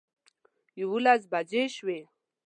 یوولس بجې شوې.